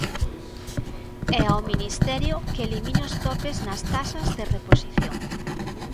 E ao Ministerio que elimine os topes nas taxas de reposición.